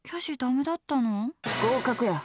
合格や！